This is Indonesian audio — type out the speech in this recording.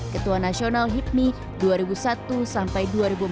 ketua nasional hipmi dua ribu satu sampai dua ribu empat belas